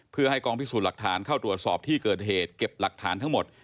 เพื่อให้กองพิสูจน์หลักฐานเข้าตรวจสอบที่เกิดเหตุเก็บหลักฐานทั้งหมด